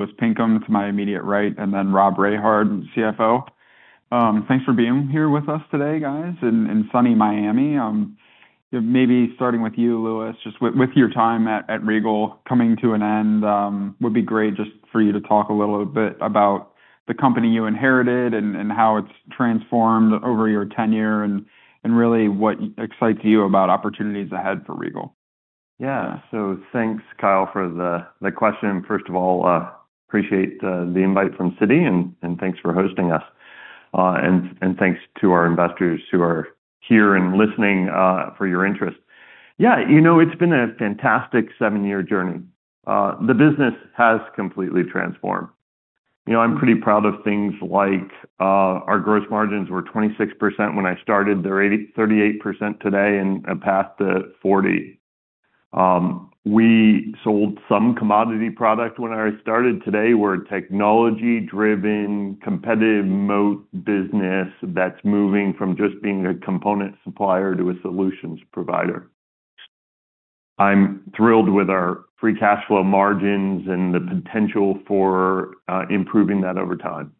Louis Pinkham to my immediate right, and then Rob Rehard, CFO. Thanks for being here with us today, guys, in sunny Miami. Maybe starting with you, Louis, just with your time at Regal coming to an end, would be great just for you to talk a little bit about the company you inherited and how it's transformed over your tenure, and really, what excites you about opportunities ahead for Regal. Yeah. So thanks, Kyle, for the question. First of all, appreciate the invite from Citi, and thanks for hosting us. Thanks to our investors who are here and listening for your interest. Yeah, you know, it's been a fantastic 7-year journey. The business has completely transformed. You know, I'm pretty proud of things like our gross margins were 26% when I started. They're 38% today and a path to 40. We sold some commodity product when I started. Today, we're a technology-driven, competitive moat business that's moving from just being a component supplier to a solutions provider. I'm thrilled with our free cash flow margins and the potential for improving that over time.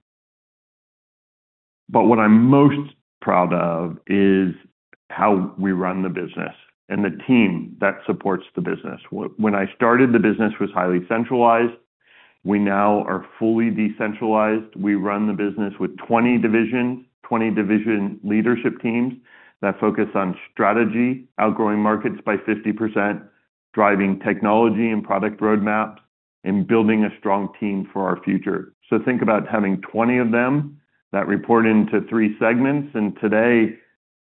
But what I'm most proud of is how we run the business and the team that supports the business. When I started, the business was highly centralized. We now are fully decentralized. We run the business with 20 divisions, 20 division leadership teams that focus on strategy, outgrowing markets by 50%, driving technology and product roadmaps, and building a strong team for our future. So think about having 20 of them that report into 3 segments, and today,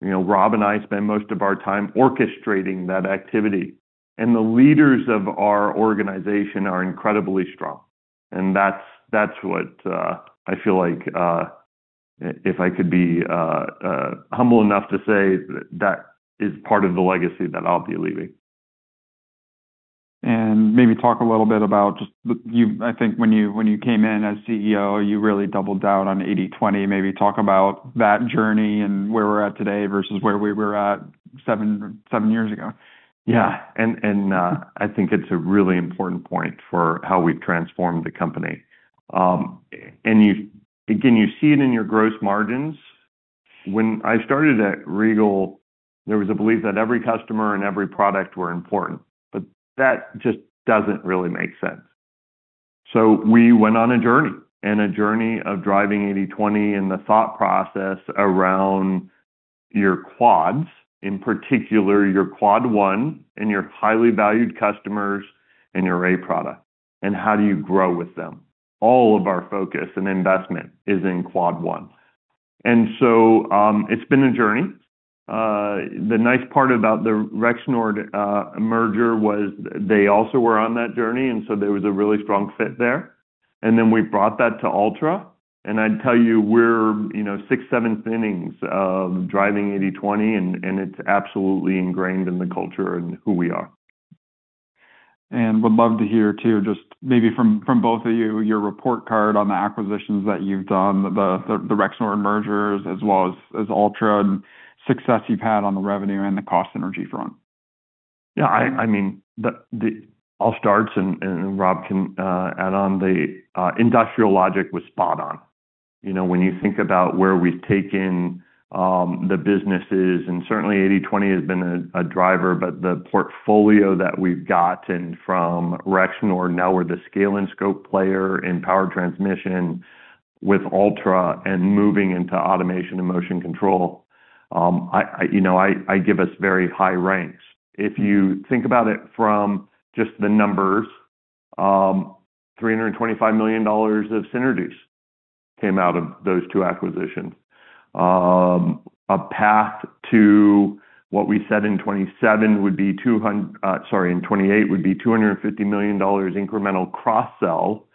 you know, Rob and I spend most of our time orchestrating that activity. And the leaders of our organization are incredibly strong, and that's, that's what I feel like if I could be humble enough to say that that is part of the legacy that I'll be leaving. Maybe talk a little bit about just I think when you, when you came in as CEO, you really doubled down on 80/20. Maybe talk about that journey and where we're at today versus where we were at 7, 7 years ago. Yeah, and I think it's a really important point for how we've transformed the company. And you... Again, you see it in your gross margins. When I started at Regal, there was a belief that every customer and every product were important, but that just doesn't really make sense. So we went on a journey, and a journey of driving 80/20 and the thought process around your quads, in particular, your Quad one and your highly valued customers and your A product, and how do you grow with them? All of our focus and investment is in Quad one. And so, it's been a journey. The nice part about the Rexnord merger was they also were on that journey, and so there was a really strong fit there, and then we brought that to Altra. I'd tell you, we're, you know, 6, 7th innings of driving 80/20, and, and it's absolutely ingrained in the culture and who we are. Would love to hear, too, just maybe from both of you, your report card on the acquisitions that you've done, the Rexnord mergers, as well as Altra, and success you've had on the revenue and the cost synergy front. Yeah, I mean, I'll start, and Rob can add on. The industrial logic was spot on. You know, when you think about where we've taken the businesses, and certainly 80/20 has been a driver, but the portfolio that we've gotten from Rexnord, now we're the scale and scope player in power transmission with Altra and moving into automation and motion control. You know, I give us very high ranks. If you think about it from just the numbers, $325 million of synergies came out of those two acquisitions. A path to what we said in 2027 would be two hundred-- in 2028, would be $250 million incremental cross-sell,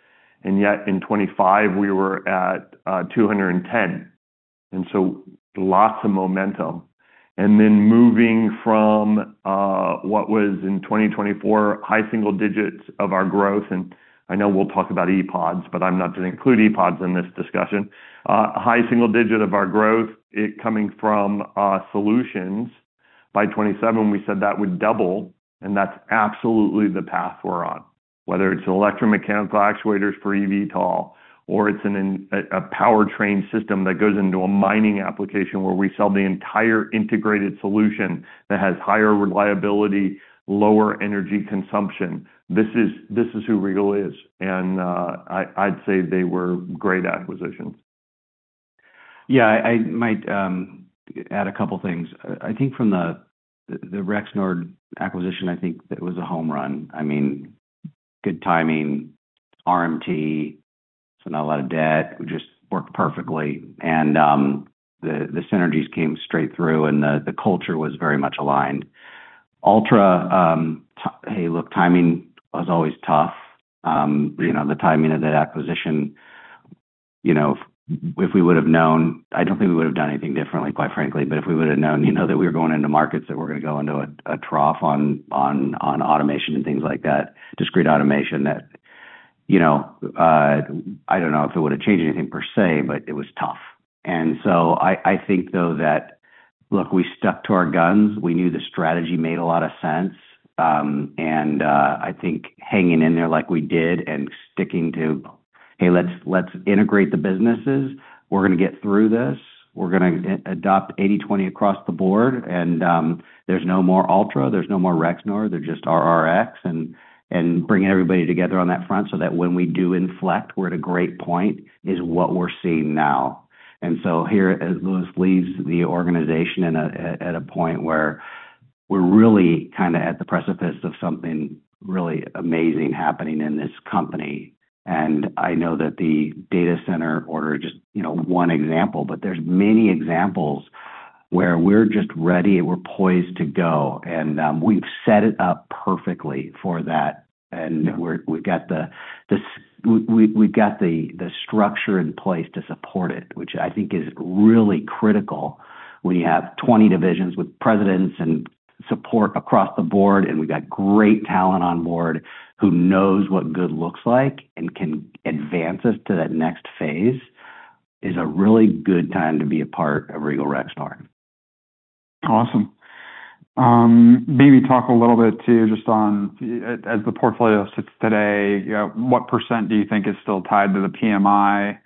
and yet in 2025, we were at $210 million, and so lots of momentum. And then moving from what was in 2024, high single digits of our growth, and I know we'll talk about E-Pods, but I'm not going to include E-Pods in this discussion. High single digit of our growth, it coming from solutions. By 2027, we said that would double, and that's absolutely the path we're on. Whether it's electromechanical actuators for eVTOL, or it's a powertrain system that goes into a mining application, where we sell the entire integrated solution that has higher reliability, lower energy consumption. This is, this is who Regal is, and I'd say they were great acquisitions. Yeah, I might add a couple of things. I think from the Rexnord acquisition, I think it was a home run. I mean, good timing, RMT, so not a lot of debt. It just worked perfectly, and the synergies came straight through, and the culture was very much aligned. Altra, hey, look, timing was always tough. You know, the timing of that acquisition, you know, if we would have known, I don't think we would have done anything differently, quite frankly. But if we would have known, you know, that we were going into markets that we're gonna go into a trough on automation and things like that, discrete automation that, you know, I don't know if it would have changed anything per se, but it was tough. And so I think, though, that-... Look, we stuck to our guns. We knew the strategy made a lot of sense, and I think hanging in there like we did and sticking to, "Hey, let's integrate the businesses. We're gonna get through this. We're gonna adopt 80/20 across the board, and there's no more Altra, there's no more Rexnord, they're just RRX," and bringing everybody together on that front so that when we do inflect, we're at a great point, is what we're seeing now. And so here, as Louis leaves the organization at a point where we're really kind of at the precipice of something really amazing happening in this company. And I know that the data center order is just, you know, one example, but there's many examples where we're just ready and we're poised to go, and we've set it up perfectly for that. And we've got the structure in place to support it, which I think is really critical when you have 20 divisions with presidents and support across the board, and we've got great talent on board who knows what good looks like and can advance us to that next phase. It is a really good time to be a part of Regal Rexnord. Awesome. Maybe talk a little bit, too, just on, as the portfolio sits today, you know, what % do you think is still tied to the PMI?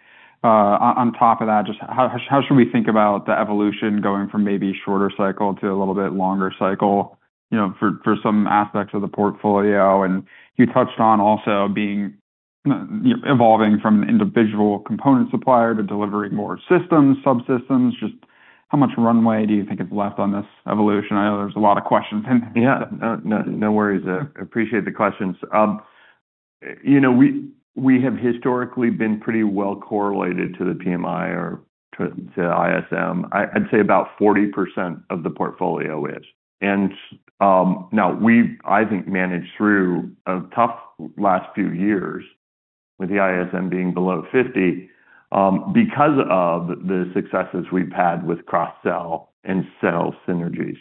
On top of that, just how should we think about the evolution going from maybe shorter cycle to a little bit longer cycle, you know, for some aspects of the portfolio? And you touched on also being, you know, evolving from an individual component supplier to delivering more systems, subsystems. Just how much runway do you think is left on this evolution? I know there's a lot of questions. Yeah. No, no, no worries. I appreciate the questions. You know, we, we have historically been pretty well correlated to the PMI or to, to ISM. I, I'd say about 40% of the portfolio is. And, now we've, I think, managed through a tough last few years with the ISM being below 50, because of the successes we've had with cross-sell and sell synergies.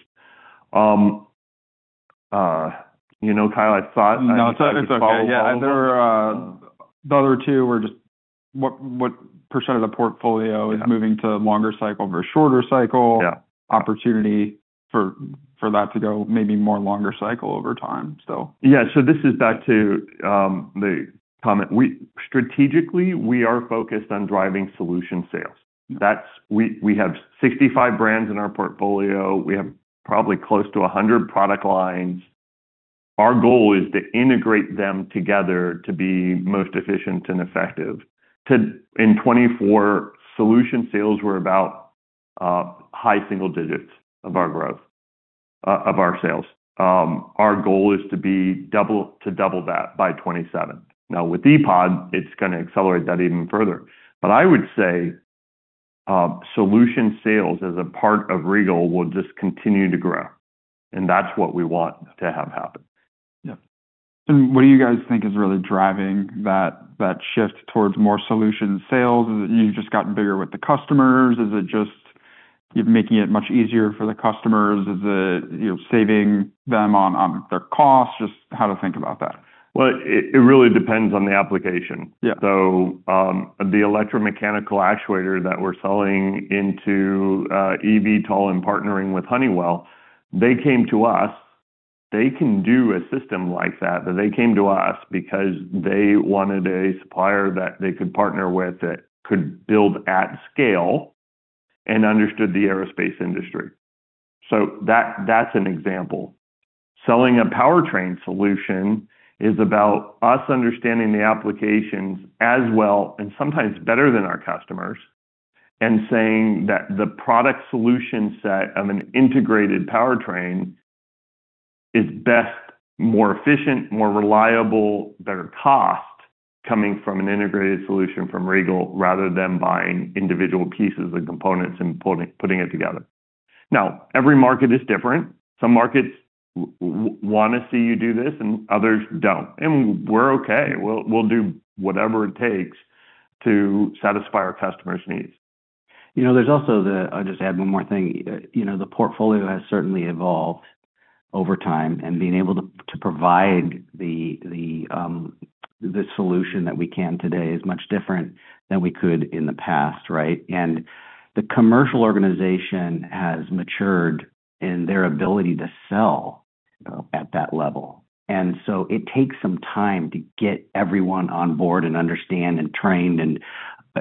You know, Kyle, I thought- No, it's okay. I could follow up. Yeah. There are the other two were just what percent of the portfolio- Yeah is moving to longer cycle over shorter cycle. Yeah opportunity for that to go maybe more longer cycle over time, so. Yeah, so this is back to the comment. We strategically, we are focused on driving solution sales. That's. We, we have 65 brands in our portfolio. We have probably close to 100 product lines. Our goal is to integrate them together to be most efficient and effective. In 2024, solution sales were about high single digits of our growth of our sales. Our goal is to double that by 2027. Now, with E-Pod, it's gonna accelerate that even further. But I would say, solution sales as a part of Regal will just continue to grow, and that's what we want to have happen. Yeah. What do you guys think is really driving that shift towards more solution sales? You've just gotten bigger with the customers, is it just you're making it much easier for the customers? Is it, you know, saving them on their costs? Just how to think about that. Well, it really depends on the application. Yeah. So, the electromechanical actuator that we're selling into, eVTOL and partnering with Honeywell, they came to us. They can do a system like that, but they came to us because they wanted a supplier that they could partner with, that could build at scale and understood the aerospace industry. So that, that's an example. Selling a powertrain solution is about us understanding the applications as well, and sometimes better than our customers, and saying that the product solution set of an integrated powertrain is best, more efficient, more reliable, better cost, coming from an integrated solution from Regal rather than buying individual pieces and components and putting it together. Now, every market is different. Some markets want to see you do this, and others don't. And we're okay. We'll do whatever it takes to satisfy our customers' needs. You know, there's also... I'll just add one more thing. You know, the portfolio has certainly evolved over time, and being able to provide the solution that we can today is much different than we could in the past, right? And the commercial organization has matured in their ability to sell at that level. And so it takes some time to get everyone on board and understand and trained and,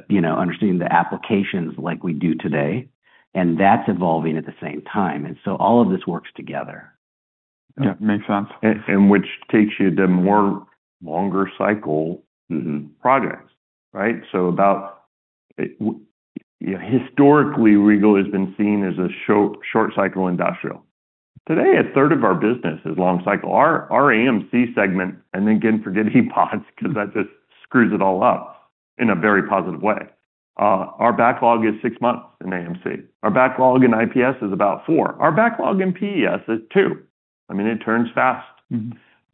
you know, understanding the applications like we do today, and that's evolving at the same time. And so all of this works together. Yeah, makes sense. and which takes you to more longer cycle- Mm-hmm -projects, right? So about, historically, Regal has been seen as a short, short cycle industrial. Today, a third of our business is long cycle. Our, our AMC segment, and then again, forget E-Pods, because that just screws it all up in a very positive way. Our backlog is 6 months in AMC. Our backlog in IPS is about 4. Our backlog in PES is 2. I mean, it turns fast. Mm-hmm.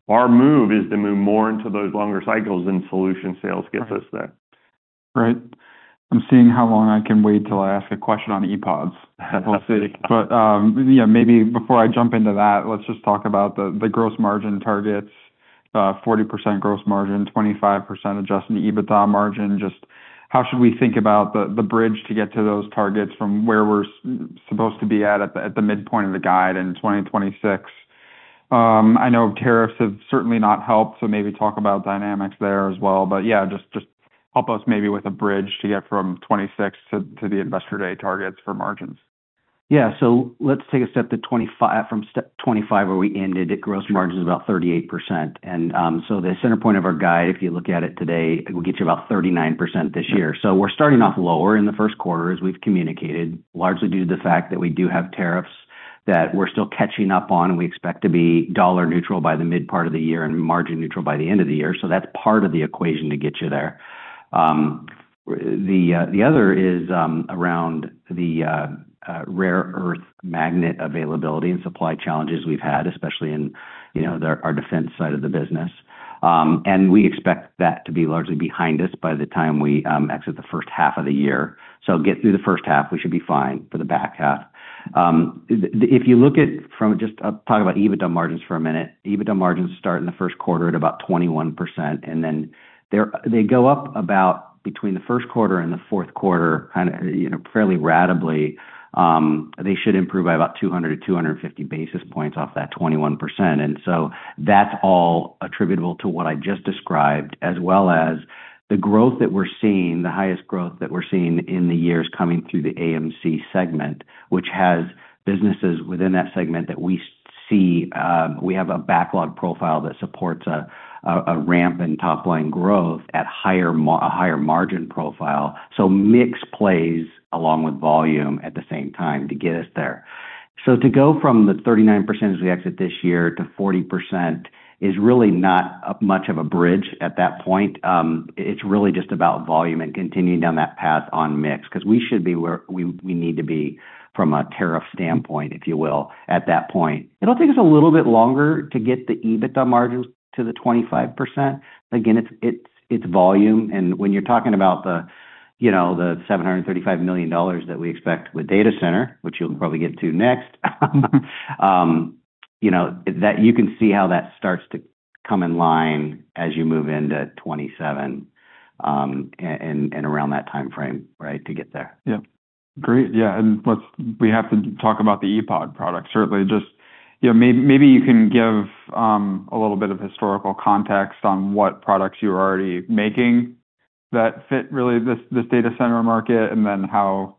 Our move is to move more into those longer cycles, and solution sales gets us there. Right. I'm seeing how long I can wait till I ask a question on E-Pods. We'll see. But, yeah, maybe before I jump into that, let's just talk about the gross margin targets. 40% gross margin, 25% adjusted EBITDA margin. Just how should we think about the bridge to get to those targets from where we're supposed to be at the midpoint of the guide in 2026? I know tariffs have certainly not helped, so maybe talk about dynamics there as well. But yeah, just help us maybe with a bridge to get from 2026 to the Investor Day targets for margins. Yeah. So let's take a step to 25 from step 25, where we ended at gross margins about 38%. So the center point of our guide, if you look at it today, it will get you about 39% this year. So we're starting off lower in the first quarter, as we've communicated, largely due to the fact that we do have tariffs that we're still catching up on, and we expect to be dollar neutral by the mid part of the year and margin neutral by the end of the year. So that's part of the equation to get you there. The other is around the rare earth magnet availability and supply challenges we've had, especially in, you know, our defense side of the business. We expect that to be largely behind us by the time we exit the first half of the year. Get through the first half, we should be fine for the back half. If you look at from just talk about EBITDA margins for a minute. EBITDA margins start in the first quarter at about 21%, and then they go up about between the first quarter and the fourth quarter, kind of, you know, fairly ratably. They should improve by about 200-250 basis points off that 21%. And so that's all attributable to what I just described, as well as the growth that we're seeing, the highest growth that we're seeing in the years coming through the AMC segment, which has businesses within that segment that we see. We have a backlog profile that supports a ramp in top-line growth at a higher margin profile. So mix plays along with volume at the same time to get us there. So to go from the 39% as we exit this year to 40% is really not much of a bridge at that point. It's really just about volume and continuing down that path on mix, 'cause we should be where we need to be from a tariff standpoint, if you will, at that point. It'll take us a little bit longer to get the EBITDA margins to the 25%. Again, it's volume. And when you're talking about the, you know, the $735 million that we expect with data center, which you'll probably get to next, you know, that you can see how that starts to come in line as you move into 2027, and around that time frame, right, to get there. Yeah. Great. Yeah, and let's we have to talk about the E-Pod product, certainly. Just, you know, maybe you can give a little bit of historical context on what products you're already making that fit really this, this data center market, and then how,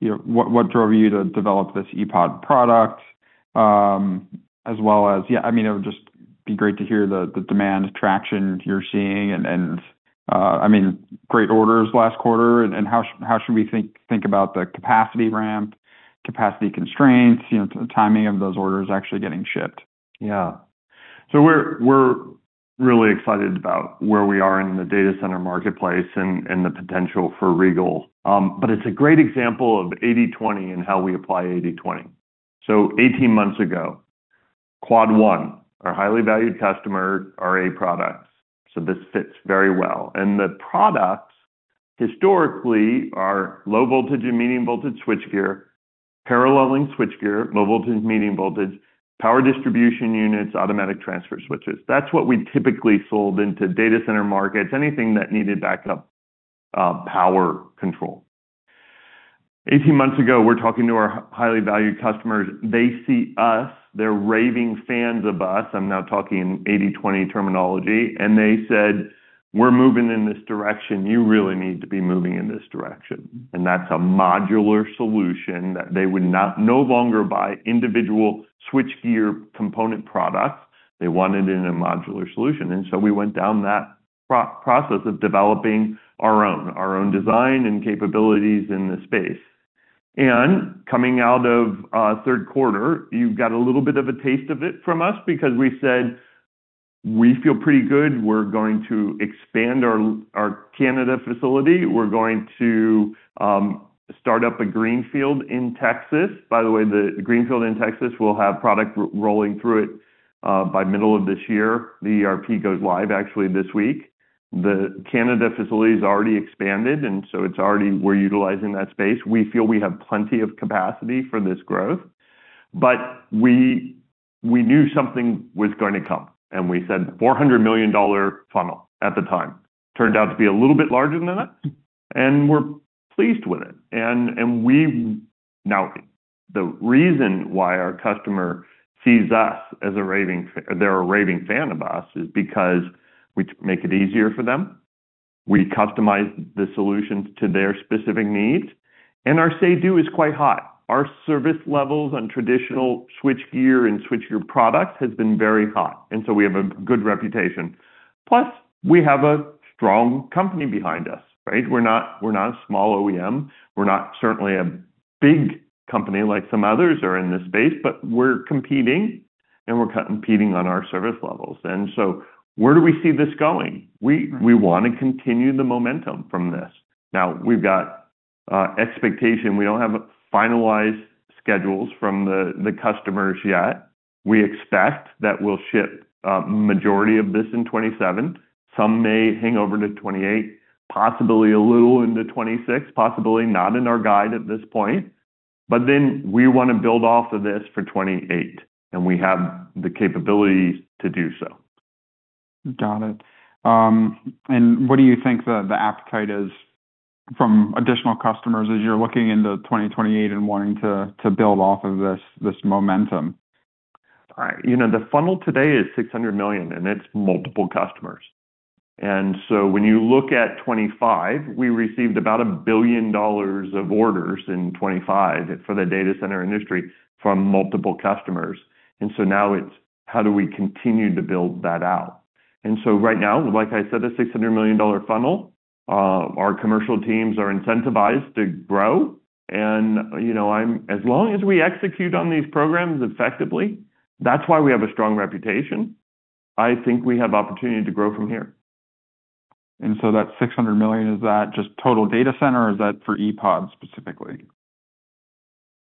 you know, what, what drove you to develop this E-Pod product? As well as, yeah, I mean, it would just be great to hear the, the demand traction you're seeing and, and, I mean, great orders last quarter, and, and how should, how should we think, think about the capacity ramp, capacity constraints, you know, timing of those orders actually getting shipped? Yeah. So we're really excited about where we are in the data center marketplace and the potential for Regal. But it's a great example of 80/20 and how we apply 80/20. So 18 months ago, Quad one, our highly valued customer, A products. So this fits very well. And the products, historically, are low voltage and medium voltage switchgear, paralleling switchgear, low voltage, medium voltage, power distribution units, automatic transfer switches. That's what we typically sold into data center markets, anything that needed backup power control. 18 months ago, we're talking to our highly valued customers. They see us, they're raving fans of us. I'm now talking 80/20 terminology, and they said, "We're moving in this direction. You really need to be moving in this direction." And that's a modular solution that they would no longer buy individual switchgear component products. They wanted it in a modular solution. And so we went down that process of developing our own, our own design and capabilities in the space. And coming out of third quarter, you've got a little bit of a taste of it from us because we said: We feel pretty good. We're going to expand our, our Canada facility. We're going to start up a greenfield in Texas. By the way, the greenfield in Texas will have product rolling through it by middle of this year. The ERP goes live actually this week. The Canada facility is already expanded, and so it's already... we're utilizing that space. We feel we have plenty of capacity for this growth, but we, we knew something was going to come, and we said $400 million funnel at the time. Turned out to be a little bit larger than that, and we're pleased with it. Now, the reason why our customer sees us as a raving fan, they're a raving fan of us, is because we make it easier for them, we customize the solutions to their specific needs, and our SADU is quite high. Our service levels on traditional switchgear and switchgear products has been very high, and so we have a good reputation. Plus, we have a strong company behind us, right? We're not a small OEM. We're not certainly a big company like some others are in this space, but we're competing, and we're competing on our service levels. So where do we see this going? We want to continue the momentum from this. Now, we've got expectation. We don't have finalized schedules from the customers yet. We expect that we'll ship majority of this in 2027. Some may hang over to 2028, possibly a little into 2026, possibly not in our guide at this point. But then we want to build off of this for 2028, and we have the capability to do so. Got it. And what do you think the appetite is from additional customers as you're looking into 2028 and wanting to build off of this momentum? All right. You know, the funnel today is $600 million, and it's multiple customers. And so when you look at 2025, we received about $1 billion of orders in 2025 for the data center industry from multiple customers. And so now it's how do we continue to build that out? And so right now, like I said, a $600 million funnel, our commercial teams are incentivized to grow. And, you know, as long as we execute on these programs effectively, that's why we have a strong reputation. I think we have opportunity to grow from here. That $600 million, is that just total data center, or is that for E-Pods specifically?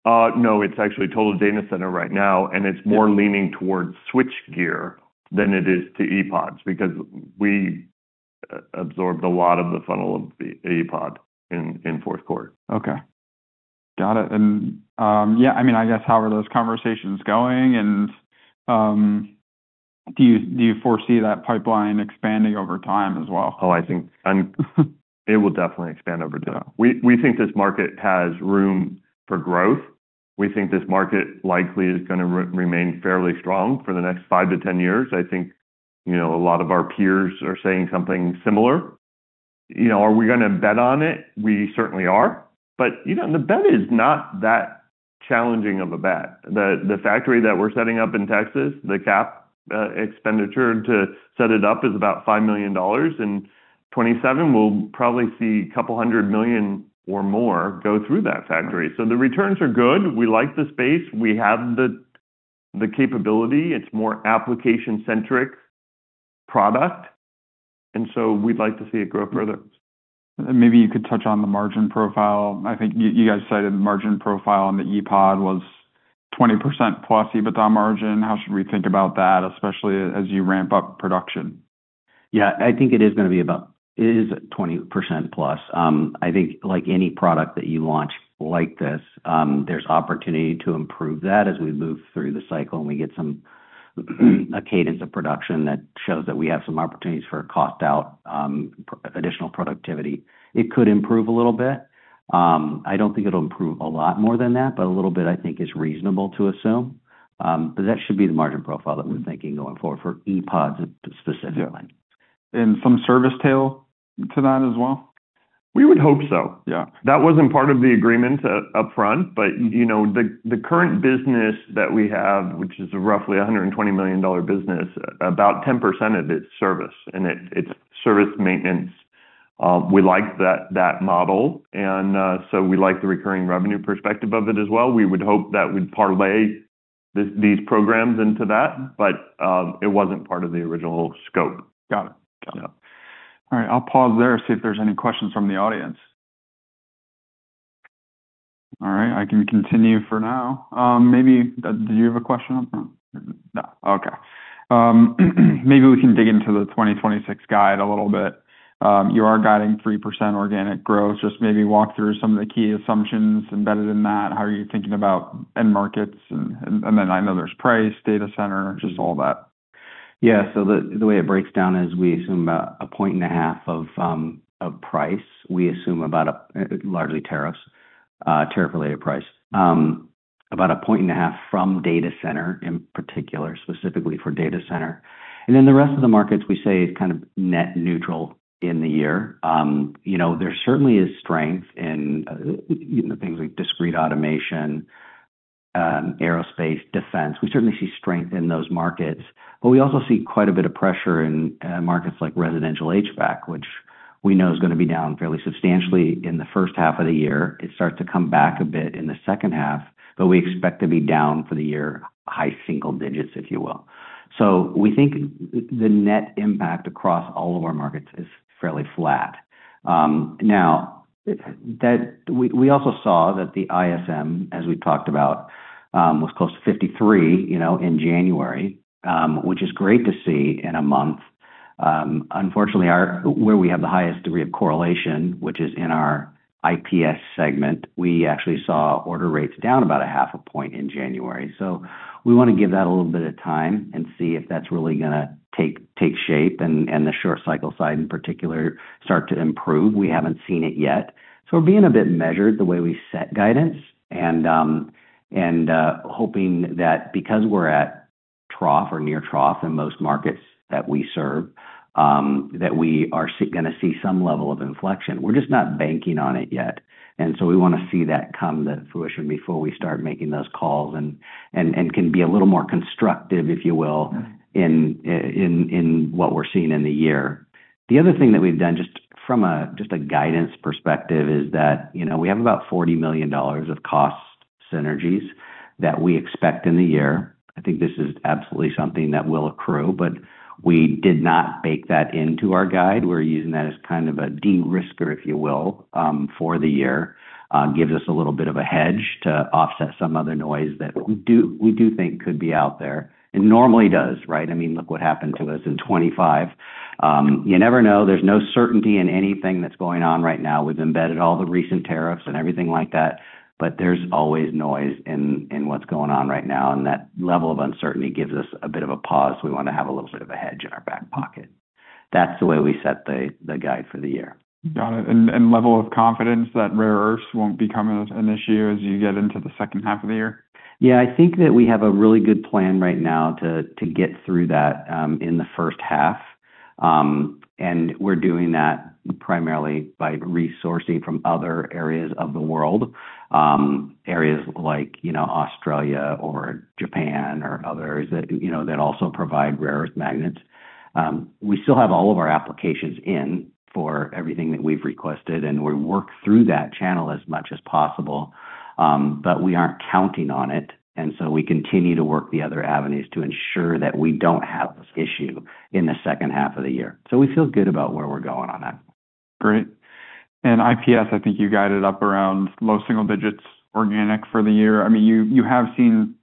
No, it's actually total data center right now, and it's more leaning towards switchgear than it is to E-Pods, because we absorbed a lot of the funnel of the E-Pod in fourth quarter. Okay. Got it. And, yeah, I mean, I guess how are those conversations going, and, do you foresee that pipeline expanding over time as well? Oh, I think, and it will definitely expand over time. We think this market has room for growth. We think this market likely is gonna remain fairly strong for the next 5-10 years. I think, you know, a lot of our peers are saying something similar. You know, are we gonna bet on it? We certainly are. But, you know, the bet is not that challenging of a bet. The factory that we're setting up in Texas, the capital expenditure to set it up is about $5 million. In 2027, we'll probably see a couple hundred million or more go through that factory. So the returns are good. We like the space. We have the capability. It's more application-centric product, and so we'd like to see it grow further. Maybe you could touch on the margin profile. I think you, you guys cited the margin profile on the E-Pod was 20%+ EBITDA margin. How should we think about that, especially as you ramp up production? Yeah, I think it is gonna be about... It is 20% plus. I think like any product that you launch like this, there's opportunity to improve that as we move through the cycle and we get some, a cadence of production that shows that we have some opportunities for a cost out, additional productivity. It could improve a little bit. I don't think it'll improve a lot more than that, but a little bit, I think, is reasonable to assume. But that should be the margin profile that we're thinking going forward for E-Pods specifically. Some service tail to that as well? We would hope so. Yeah. That wasn't part of the agreement upfront, but, you know, the current business that we have, which is roughly a $120 million business, about 10% of it's service, and it's service maintenance. We like that model, and so we like the recurring revenue perspective of it as well. We would hope that we'd parlay these programs into that, but it wasn't part of the original scope. Got it. Got it. Yeah. All right. I'll pause there, see if there's any questions from the audience. All right, I can continue for now. Maybe, do you have a question? No. Okay. Maybe we can dig into the 2026 guide a little bit. You are guiding 3% organic growth. Just maybe walk through some of the key assumptions embedded in that. How are you thinking about end markets? And then I know there's price, data center, just all that. Yeah. The way it breaks down is we assume about 1.5 points of price. We assume about, largely tariffs, tariff-related price, about 1.5 points from data center, in particular, specifically for data center. The rest of the markets, we say, is kind of net neutral in the year. You know, there certainly is strength in, you know, things like discrete automation, aerospace, defense. We certainly see strength in those markets, but we also see quite a bit of pressure in markets like residential HVAC, which we know is gonna be down fairly substantially in the first half of the year. It starts to come back a bit in the second half, but we expect to be down for the year, high single digits, if you will. So we think the net impact across all of our markets is fairly flat. Now, we also saw that the ISM, as we talked about, was close to 53, you know, in January, which is great to see in a month. Unfortunately, where we have the highest degree of correlation, which is in our IPS segment, we actually saw order rates down about 0.5 point in January. So we want to give that a little bit of time and see if that's really gonna take shape, and the short cycle side, in particular, start to improve. We haven't seen it yet, so we're being a bit measured the way we set guidance and hoping that because we're at trough or near trough in most markets that we serve, that we are gonna see some level of inflection. We're just not banking on it yet, and so we wanna see that come to fruition before we start making those calls and can be a little more constructive, if you will, in what we're seeing in the year. The other thing that we've done, just from a guidance perspective, is that, you know, we have about $40 million of cost synergies that we expect in the year. I think this is absolutely something that will accrue, but we did not bake that into our guide. We're using that as kind of a de-risker, if you will, for the year. Gives us a little bit of a hedge to offset some other noise that we think could be out there, and normally does, right? I mean, look what happened to us in 2025. You never know. There's no certainty in anything that's going on right now. We've embedded all the recent tariffs and everything like that, but there's always noise in what's going on right now, and that level of uncertainty gives us a bit of a pause. We want to have a little bit of a hedge in our back pocket. That's the way we set the guide for the year. Got it. And level of confidence that rare earths won't become an issue as you get into the second half of the year? Yeah, I think that we have a really good plan right now to get through that in the first half. We're doing that primarily by resourcing from other areas of the world, areas like, you know, Australia or Japan or others that, you know, that also provide rare earth magnets. We still have all of our applications in for everything that we've requested, and we work through that channel as much as possible, but we aren't counting on it, and so we continue to work the other avenues to ensure that we don't have this issue in the second half of the year. So we feel good about where we're going on that. Great. And IPS, I think you guided up around low single digits, organic for the year. I mean, you, you have seen,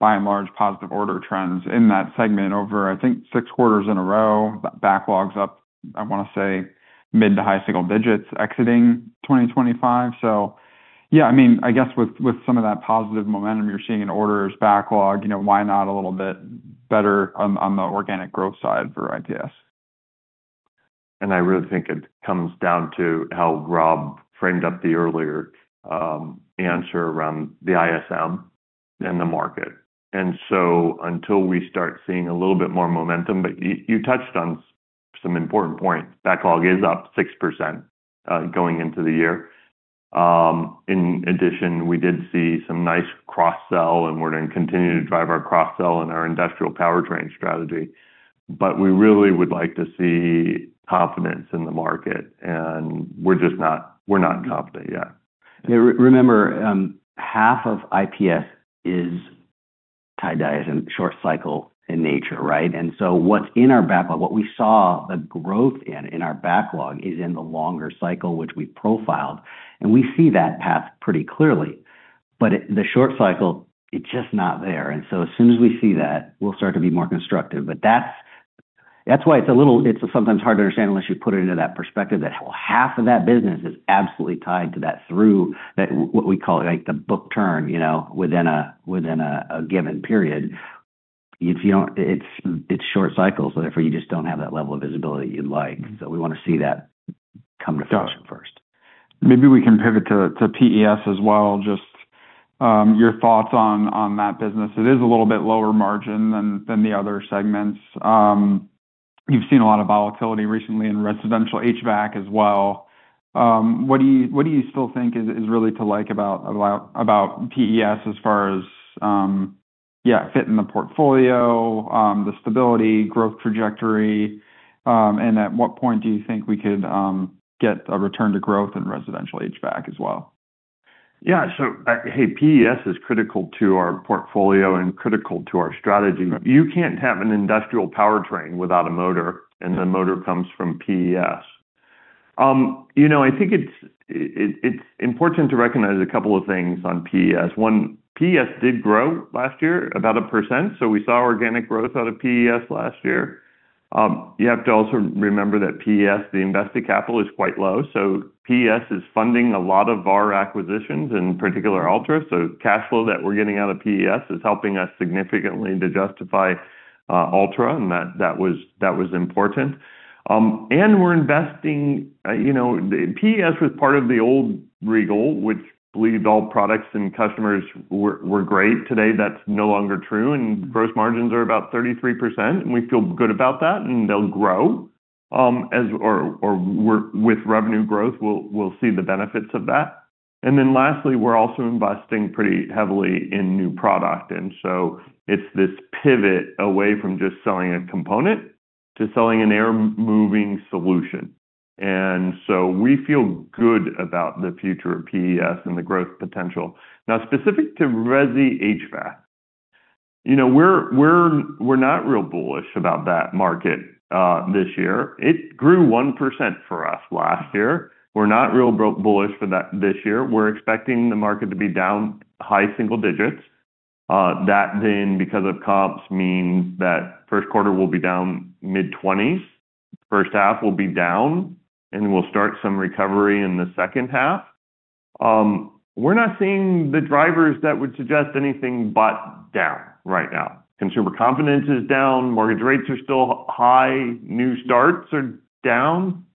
by and large, positive order trends in that segment over, I think, 6 quarters in a row. Backlog's up, I wanna say, mid- to high-single digits, exiting 2025. So yeah, I mean, I guess with, with some of that positive momentum you're seeing in orders backlog, you know, why not a little bit better on, on the organic growth side for IPS? I really think it comes down to how Rob framed up the earlier answer around the ISM and the market. So until we start seeing a little bit more momentum... But you, you touched on some important points. Backlog is up 6%, going into the year. In addition, we did see some nice cross-sell, and we're gonna continue to drive our cross-sell and our industrial powertrain strategy. But we really would like to see confidence in the market, and we're just not—we're not confident yet. And remember, half of IPS is tied down in short cycle in nature, right? And so what's in our backlog, what we saw the growth in, in our backlog, is in the longer cycle, which we profiled, and we see that path pretty clearly. But it, the short cycle, it's just not there. And so as soon as we see that, we'll start to be more constructive. But that's, that's why it's a little, it's sometimes hard to understand unless you put it into that perspective, that half of that business is absolutely tied to that, through that, what we call, like, the book turn, you know, within a given period. If you don't, it's short cycles, therefore, you just don't have that level of visibility you'd like. So we wanna see that come to fruition first. Maybe we can pivot to PES as well. Just your thoughts on that business. It is a little bit lower margin than the other segments. You've seen a lot of volatility recently in residential HVAC as well. What do you still think is really to like about PES as far as fit in the portfolio, the stability, growth trajectory, and at what point do you think we could get a return to growth in residential HVAC as well? Yeah. So, hey, PES is critical to our portfolio and critical to our strategy. You can't have an industrial powertrain without a motor, and the motor comes from PES. You know, I think it's important to recognize a couple of things on PES. One, PES did grow last year, about 1%, so we saw organic growth out of PES last year. You have to also remember that PES, the invested capital, is quite low, so PES is funding a lot of our acquisitions, in particular, Altra. So cash flow that we're getting out of PES is helping us significantly to justify Altra, and that was important. And we're investing, you know, PES was part of the old Regal, which believed all products and customers were great. Today, that's no longer true, and gross margins are about 33%, and we feel good about that, and they'll grow. With revenue growth, we'll, we'll see the benefits of that. And then lastly, we're also investing pretty heavily in new product, and so it's this pivot away from just selling a component to selling an air moving solution. And so we feel good about the future of PES and the growth potential. Now, specific to resi HVAC, you know, we're not real bullish about that market this year. It grew 1% for us last year. We're not real bullish for that this year. We're expecting the market to be down high single digits. That then, because of comps, means that first quarter will be down mid-20s, first half will be down, and we'll start some recovery in the second half. We're not seeing the drivers that would suggest anything but down right now. Consumer confidence is down, mortgage rates are still high, new starts are down.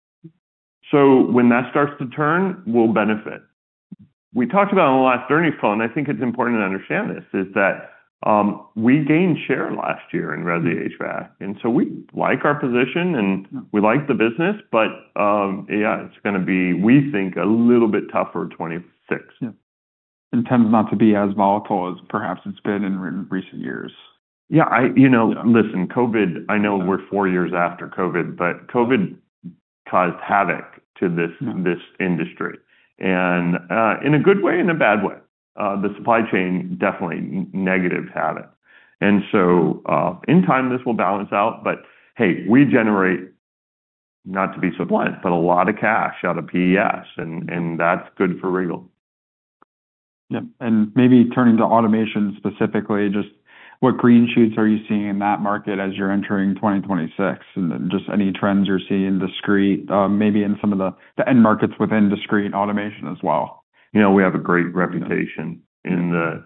So when that starts to turn, we'll benefit. We talked about on the last earnings call, and I think it's important to understand this, is that, we gained share last year in resi HVAC, and so we like our position, and we like the business, but, yeah, it's gonna be, we think, a little bit tougher 2026. Yeah. And tends not to be as volatile as perhaps it's been in recent years. Yeah, you know, listen, COVID. I know we're four years after COVID, but COVID caused havoc to this- Yeah... this industry, and, in a good way and a bad way. The supply chain, definitely negative havoc. And so, in time, this will balance out, but hey, we generate, not to be blunt, but a lot of cash out of PES, and, and that's good for Regal. Yeah, and maybe turning to automation specifically, just what green shoots are you seeing in that market as you're entering 2026? And then just any trends you're seeing in discrete, maybe in some of the, the end markets within discrete automation as well. You know, we have a great reputation in the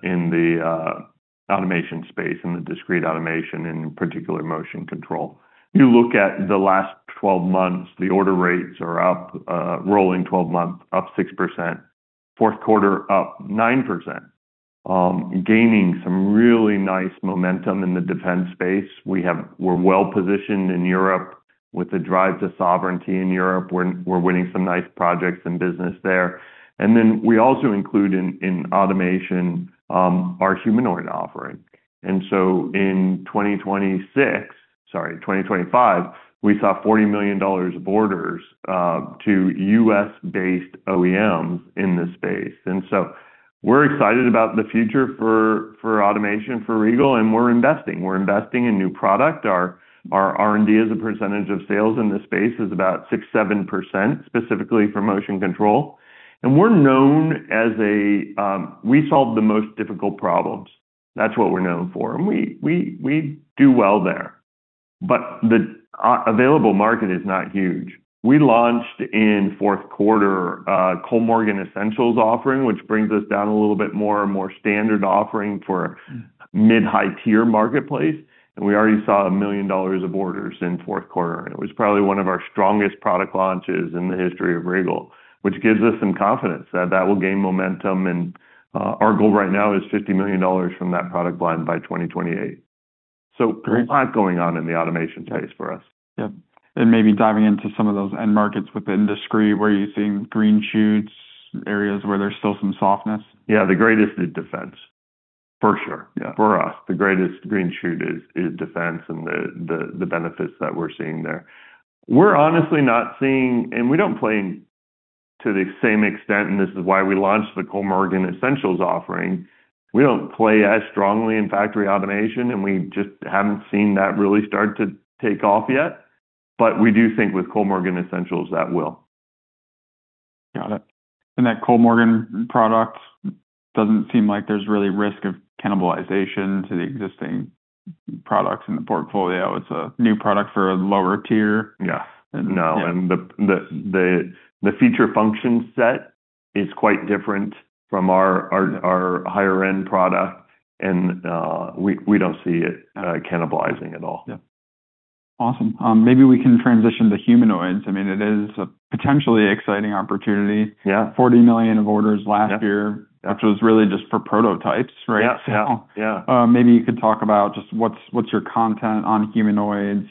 discrete automation space and the discrete automation, in particular, motion control. You look at the last 12 months, the order rates are up, rolling 12 months, up 6%, fourth quarter, up 9%. Gaining some really nice momentum in the defense space. We have. We're well-positioned in Europe with the drive to sovereignty in Europe, we're winning some nice projects and business there. And then we also include in automation our humanoid offering. And so in 2026, sorry, 2025, we saw $40 million of orders to U.S.-based OEMs in this space. And so we're excited about the future for automation, for Regal, and we're investing. We're investing in new product. Our R&D as a percentage of sales in this space is about 6-7%, specifically for motion control. And we're known as a we solve the most difficult problems. That's what we're known for, and we do well there. But the available market is not huge. We launched in fourth quarter Kollmorgen Essentials offering, which brings us down a little bit more and more standard offering for mid-high tier marketplace, and we already saw $1 million of orders in fourth quarter. It was probably one of our strongest product launches in the history of Regal, which gives us some confidence that that will gain momentum, and our goal right now is $50 million from that product line by 2028. So there's a lot going on in the automation space for us. Yeah. Maybe diving into some of those end markets within discrete, where are you seeing green shoots, areas where there's still some softness? Yeah, the greatest is defense, for sure. Yeah. For us, the greatest green shoot is defense and the benefits that we're seeing there. We're honestly not seeing, and we don't play to the same extent, and this is why we launched the Kollmorgen Essentials offering. We don't play as strongly in factory automation, and we just haven't seen that really start to take off yet, but we do think with Kollmorgen Essentials, that will. Got it. And that Kollmorgen product doesn't seem like there's really risk of cannibalization to the existing products in the portfolio. It's a new product for a lower tier. Yeah. No, and the feature function set is quite different from our higher-end product, and we don't see it cannibalizing at all. Yeah. Awesome. Maybe we can transition to humanoids. I mean, it is a potentially exciting opportunity. Yeah. $40 million of orders last year- Yeah. -which was really just for prototypes, right? Yeah. Yeah. Maybe you could talk about just what's, what's your content on humanoids?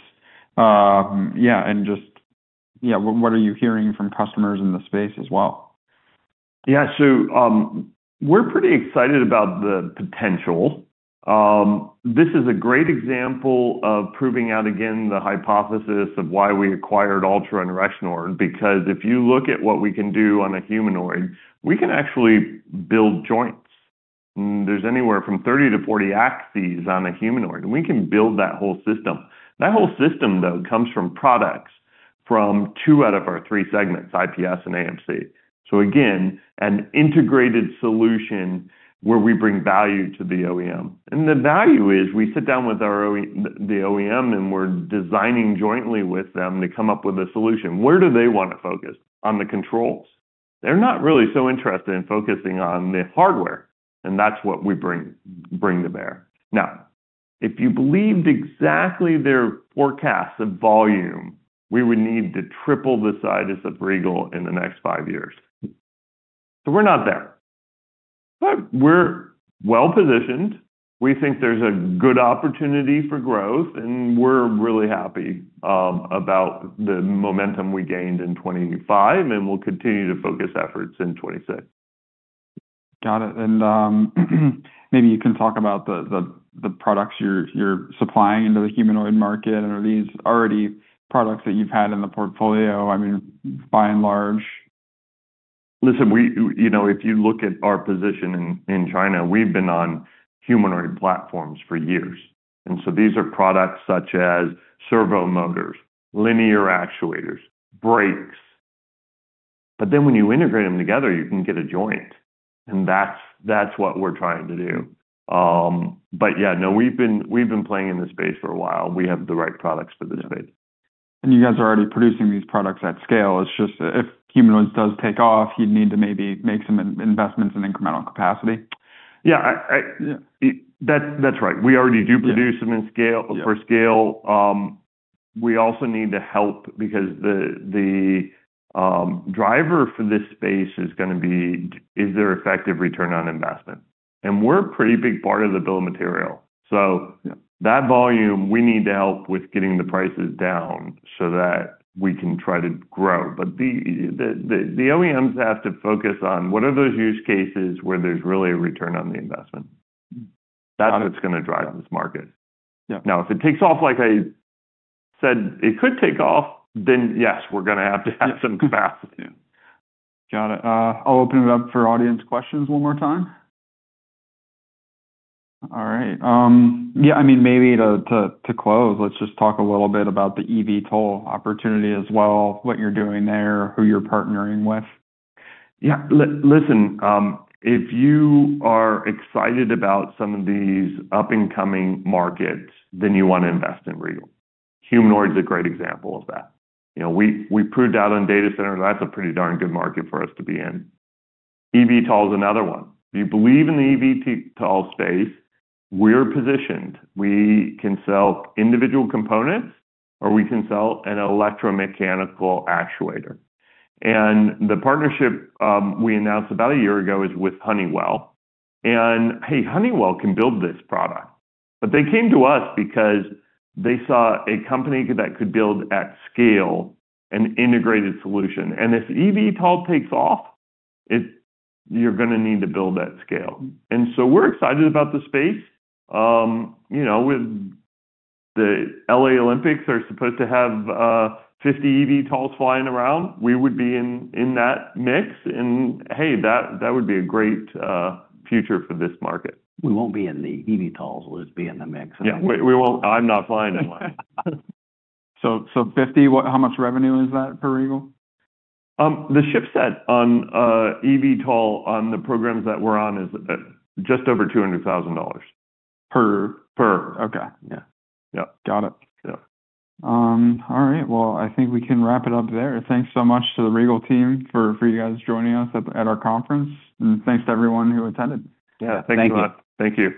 Yeah, and just, yeah, what are you hearing from customers in the space as well? Yeah, so, we're pretty excited about the potential. This is a great example of proving out again the hypothesis of why we acquired Altra and Rexnord, because if you look at what we can do on a humanoid, we can actually build joints. There's anywhere from 30-40 axes on a humanoid, and we can build that whole system. That whole system, though, comes from products from 2 out of our 3 segments, IPS and AMC. So again, an integrated solution where we bring value to the OEM. And the value is we sit down with our OE-- the OEM, and we're designing jointly with them to come up with a solution. Where do they want to focus? On the controls. They're not really so interested in focusing on the hardware, and that's what we bring, bring to bear. Now, if you believed exactly their forecasts of volume, we would need to triple the size of Regal in the next five years. So we're not there, but we're well-positioned. We think there's a good opportunity for growth, and we're really happy about the momentum we gained in 2025, and we'll continue to focus efforts in 2026. Got it. And, maybe you can talk about the products you're supplying into the humanoid market, and are these already products that you've had in the portfolio, I mean, by and large? Listen, you know, if you look at our position in China, we've been on humanoid platforms for years. So these are products such as servo motors, linear actuators, brakes. But then when you integrate them together, you can get a joint, and that's what we're trying to do. But yeah, no, we've been playing in this space for a while. We have the right products for this space. You guys are already producing these products at scale. It's just that if humanoids does take off, you'd need to maybe make some investments in incremental capacity. Yeah, that's right. We already do produce them in scale—for scale. We also need to help because the driver for this space is gonna be, is there effective return on investment? And we're a pretty big part of the bill of material. So- Yeah ... that volume, we need to help with getting the prices down so that we can try to grow. But the OEMs have to focus on what are those use cases where there's really a return on the investment. Mm-hmm. That's what's gonna drive this market. Yeah. Now, if it takes off, like I said, it could take off, then yes, we're gonna have to have some capacity. Got it. I'll open it up for audience questions one more time. All right, yeah, I mean, maybe to close, let's just talk a little bit about the eVTOL opportunity as well, what you're doing there, who you're partnering with. Yeah. Listen, if you are excited about some of these up-and-coming markets, then you want to invest in Regal. Humanoid is a great example of that. You know, we proved out on data centers, that's a pretty darn good market for us to be in. EVTOL is another one. If you believe in the EVTOL space, we're positioned. We can sell individual components, or we can sell an electromechanical actuator. And the partnership we announced about a year ago is with Honeywell, and hey, Honeywell can build this product. But they came to us because they saw a company that could build at scale an integrated solution. And if EVTOL takes off, it, you're gonna need to build that scale. And so we're excited about the space. You know, with the L.A. Olympics are supposed to have 50 eVTOLs flying around, we would be in, in that mix, and hey, that, that would be a great future for this market. We won't be in the eVTOLs. We'll just be in the mix. Yeah, we won't. I'm not flying anyway. So, 50, what - how much revenue is that per Regal? The shipset on eVTOL, on the programs that we're on, is just over $200,000. Per? Per. Okay. Yeah. Yep. Got it. Yeah. All right, well, I think we can wrap it up there. Thanks so much to the Regal team for you guys joining us at our conference, and thanks to everyone who attended. Yeah. Thank you. Thanks a lot. Thank you.